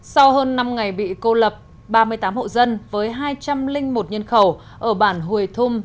sau hơn năm ngày bị cô lập ba mươi tám hộ dân với hai trăm linh một nhân khẩu ở bản hủy thum